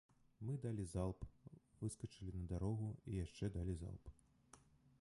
Мы далі залп, выскачылі на дарогу і яшчэ далі залп.